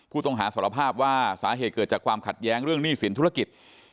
ผู้ต้องหาสารภาพว่าสาเหตุเกิดจากความขัดแย้งเรื่องหนี้สินธุรกิจ